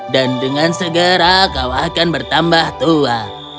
dan dengan segera kau akan bertambah tua